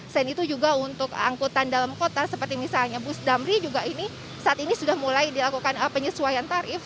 selain itu juga untuk angkutan dalam kota seperti misalnya bus damri juga ini saat ini sudah mulai dilakukan penyesuaian tarif